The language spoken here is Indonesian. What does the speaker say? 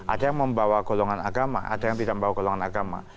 ada yang membawa golongan agama ada yang tidak membawa golongan agama